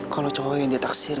kalau cowok yang dia taksil